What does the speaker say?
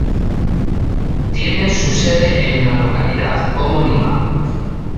Tiene su sede en la localidad homónima.